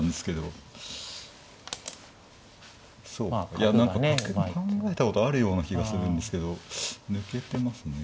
いや何か角も考えたことあるような気がするんですけど抜けてますね。